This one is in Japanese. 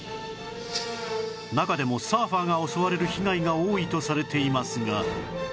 中でもサーファーが襲われる被害が多いとされていますが